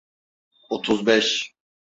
Otuz beş.